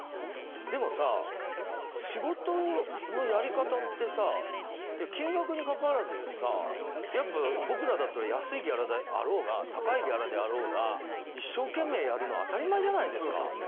でも、仕事のやり方って金額にかかわらずやっぱ、僕らだったら安いギャラであろうが高いギャラであろうが一生懸命やるのは当たり前じゃないですか。